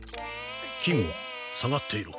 金吾下がっていろ。